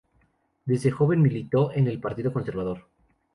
Desde joven militó en el Partido Conservador.